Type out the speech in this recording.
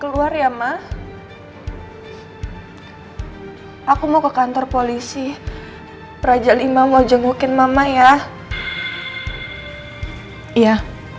keluar ya ma aku mau ke kantor polisi prajalima mau jengukin mama ya iya